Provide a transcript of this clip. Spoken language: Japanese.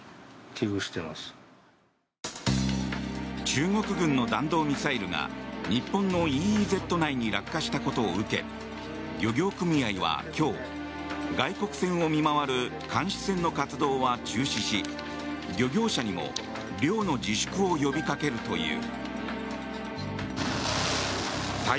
中国軍の弾道ミサイルが日本のＥＥＺ内に落下したことを受け漁業組合は今日外国船を見回る監視船の活動は中止し漁業者にも漁の自粛を呼びかけるという。